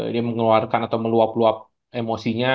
ini mengeluarkan atau meluap luap emosinya